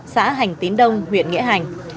xã hành tín đông huyện nghĩa hành